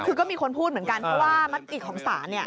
คือก็มีคนพูดเหมือนกันเพราะว่ามติของศาลเนี่ย